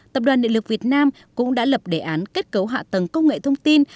tập đoàn địa lực việt nam cũng đã lập đề án kết cấu hạ tầng công nghệ thông tin